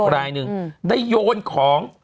รายหนึ่งได้โยนของ